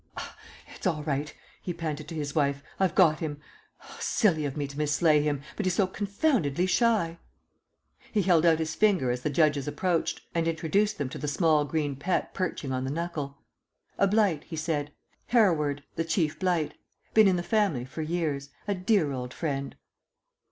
"It's all right," he panted to his wife, "I've got him. Silly of me to mislay him, but he's so confoundedly shy." He held out his finger as the judges approached, and introduced them to the small green pet perching on the knuckle. "A blight," he said. "Hereward, the Chief Blight. Been in the family for years. A dear old friend."